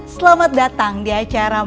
selamat datang di acara maharatu beauty gala